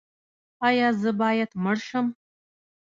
ایا زه باید مړ شم؟